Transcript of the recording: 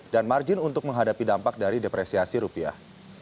dan margin untuk menghadapi dampak dari depresiasi rupiah